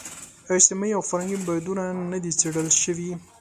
اجتماعي او فرهنګي بعدونه نه دي څېړل شوي.